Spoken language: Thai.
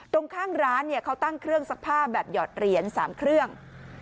ตรงข้างร้านเขาตั้งเครื่องซักผ้าแบบหยอดเหรียญ๓เครื่อง